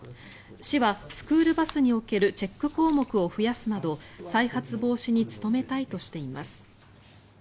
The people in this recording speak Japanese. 市はスクールバスにおけるチェック項目を増やすなど再発防止に努めたいとしています。